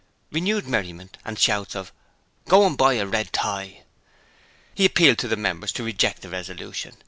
(Renewed merriment and shouts of 'Go and buy a red tie.') He appealed to the members to reject the resolution.